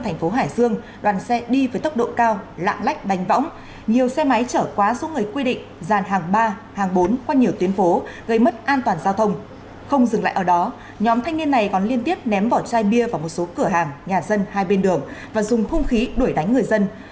hội đồng xét xử cao lạng lách đánh võng nhiều xe máy chở quá xuống người quy định dàn hàng ba hàng bốn qua nhiều tuyến phố gây mất an toàn giao thông không dừng lại ở đó nhóm thanh niên này còn liên tiếp ném vỏ chai bia vào một số cửa hàng nhà dân hai bên đường và dùng khung khí đuổi đánh người dân